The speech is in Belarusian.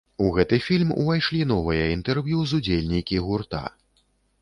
У гэты фільм увайшлі новыя інтэрв'ю з удзельнікі гурта.